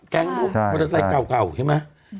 พวกมอเตอร์ไซค์เก่าใช่ไหม